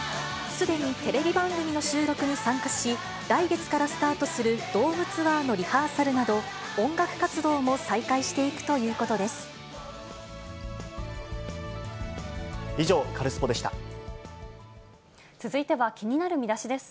すでにテレビ番組の収録に参加し、来月からスタートするドームツアーのリハーサルなど、音楽活動も再開していくということです。